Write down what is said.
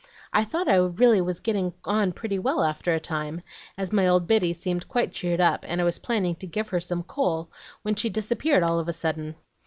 I thought I really was getting on pretty well after a time, as my old Biddy seemed quite cheered up, and I was planning to give her some coal, when she disappeared all of a sudden.